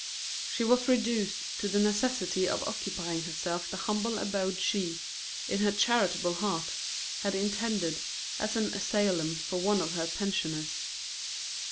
She was reduced to the necessity of occupying herself the humble abode she, in her charitable heart, had intended as an asylum for one of her pensioners.